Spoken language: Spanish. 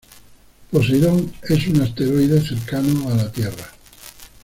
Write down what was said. Poseidon es un asteroide cercano a la Tierra.